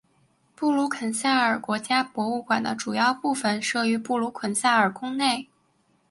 布鲁肯撒尔国家博物馆的主要部分设于布鲁肯撒尔宫内。